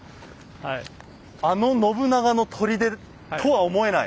あの信長の砦とは思えない。